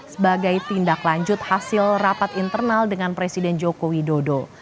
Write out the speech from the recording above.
sebagai tindak lanjut hasil rapat internal dengan presiden joko widodo